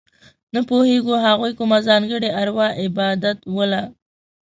نه پوهېږو هغوی کومه ځانګړې اروا عبادتوله.